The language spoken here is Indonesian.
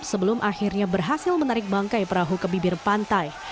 sebelum akhirnya berhasil menarik bangkai perahu ke bibir pantai